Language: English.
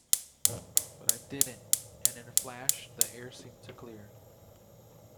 But I didn’t, and, in a flash, the air seemed to clear.